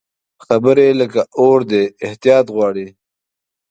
خبرې لکه اور دي، احتیاط غواړي